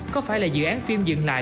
có phải là dự án phim dừng lại